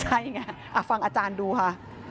ใช่ไงฟังอาจารย์ดูค่ะ